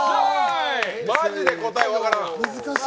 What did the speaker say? マジで答え分からん。